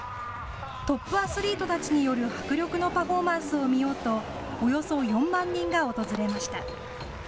トップアスリートたちによる迫力のパフォーマンスを見ようとおよそ４万人が訪れました。